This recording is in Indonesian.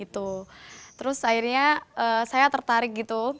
terus akhirnya saya tertarik gitu